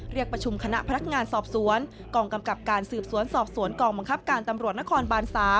เรียกประชุมคณะพนักงานสอบสวนกองกำกับการสืบสวนสอบสวนกองบังคับการตำรวจนครบาน๓